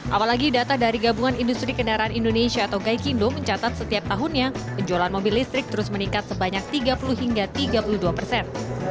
apalagi data dari gabungan industri kendaraan indonesia atau gaikindo mencatat setiap tahunnya penjualan mobil listrik terus meningkat sebanyak tiga puluh hingga tiga puluh dua persen